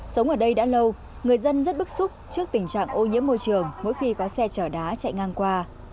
sống ở đây đã lâu người dân rất bức xúc trước tình trạng ô nhiễm môi trường mỗi khi có xe chở đá chạy ngang qua